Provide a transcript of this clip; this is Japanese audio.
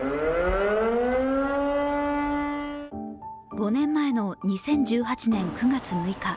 ５年前の２０１８年９月６日。